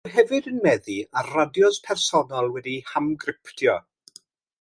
Maen nhw hefyd yn meddu ar radios personol wedi'u hamgryptio.